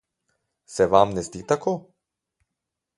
Se vam ne zdi tako?